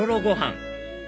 ごはん